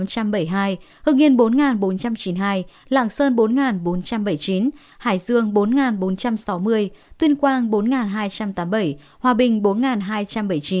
hưng yên bốn bốn trăm chín mươi hai lạng sơn bốn bốn trăm bảy mươi chín hải dương bốn bốn trăm sáu mươi tuyên quang bốn hai trăm tám mươi bảy hòa bình bốn hai trăm bảy mươi chín người